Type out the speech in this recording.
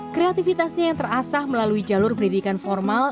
kreativitasnya yang terasah melalui jalur pendidikan formal